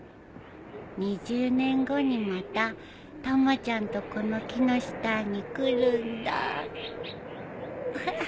２０年後にまたたまちゃんとこの木の下に来るんだ。